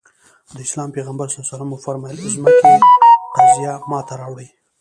د اسلام پيغمبر ص وفرمايل ځمکې قضيه ماته راوړي.